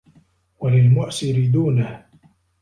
وَلِلْمُعْسِرِ دُونَهُ